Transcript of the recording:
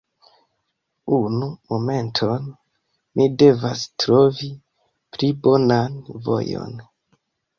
Unu momenton, mi devas trovi pli bonan vojon